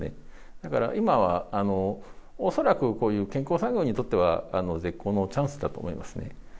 だから今は、恐らくこういう健康産業にとっては絶好のチャンスだと思いますね。